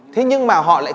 thế nhưng mà họ lại